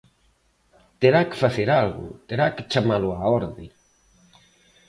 Terá que facer algo, terá que chamalo á orde.